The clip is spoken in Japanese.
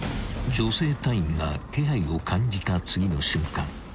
［女性隊員が気配を感じた次の瞬間］